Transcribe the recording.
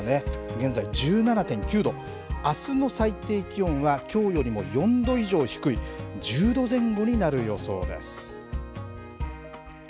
現在１７．９度、あすの最低気温は、きょうよりも４度以上低い１０度前後になる予想です。